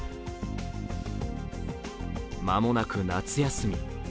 間もなく夏休み。